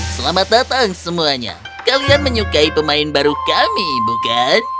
selamat datang semuanya kalian menyukai pemain baru kami bukan